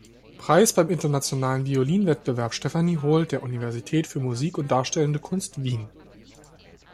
Preis beim Internationalen Violinwettbewerb "Stefanie Hohl" der Universität für Musik und darstellende Kunst Wien.